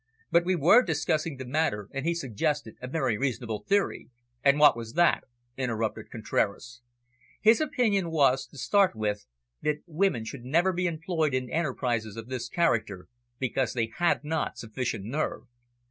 But we were discussing the matter, and he suggested a very reasonable theory." "And what was that?" interrupted Contraras. "His opinion was, to start with, that women should never be employed in enterprises of this character, because they had not sufficient nerve.